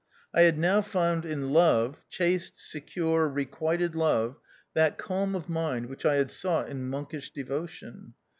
I had now found in love — chaste, secure, requited love — that calm of mind which I had sought in monkish devotion.